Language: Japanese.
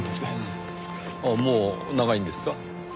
もう長いんですか？